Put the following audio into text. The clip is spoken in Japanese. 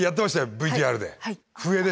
ＶＴＲで。